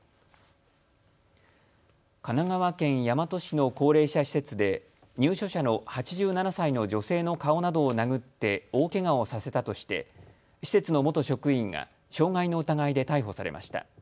神奈川県大和市の高齢者施設で入所者の８７歳の女性の顔などを殴って大けがをさせたとして施設の元職員が傷害の疑いで逮捕されました。